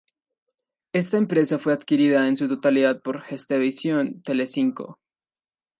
Esta empresa fue adquirida en su totalidad por Gestevisión Telecinco.